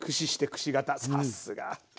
さっすが。